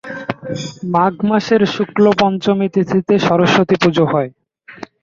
মাঘ মাসের শুক্ল পঞ্চমী তিথিতে সরস্বতী পুজো হয়।